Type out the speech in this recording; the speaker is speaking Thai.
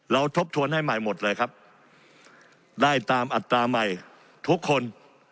ทบทวนให้ใหม่หมดเลยครับได้ตามอัตราใหม่ทุกคน